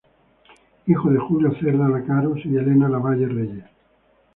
Hijo de Julio Cerda Lecaros y Elena Lavalle Reyes.